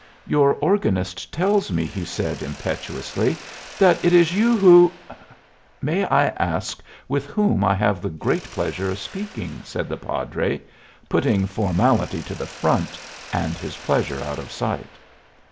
"Your organist tells me," he said, impetuously, "that it is you who " "May I ask with whom I have the great pleasure of speaking?" said the padre, putting formality to the front and his pleasure out of sight.